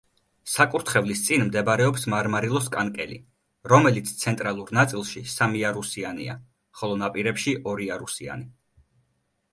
საკურთხევლის წინ მდებარეობს მარმარილოს კანკელი, რომელიც ცენტრალურ ნაწილში სამიარუსიანია, ხოლო ნაპირებში ორიარუსიანი.